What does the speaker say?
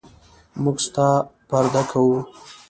موږ ستا پرده کوو.